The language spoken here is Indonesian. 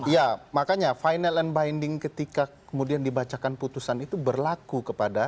ya makanya final and binding ketika kemudian dibacakan putusan itu berlaku kepada